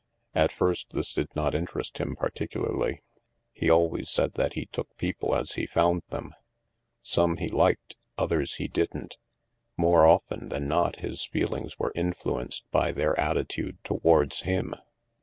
At first this did not interest him particularly. He always said that he "took people as he found them." Some he liked, others he didn't. More often than not his feelings were in •fluenced by their attitude towards him.